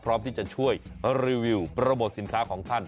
พร้อมที่จะช่วยรีวิวโปรโมทสินค้าของท่าน